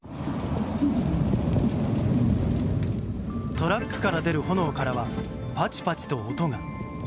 トラックから出る炎からはパチパチと音が。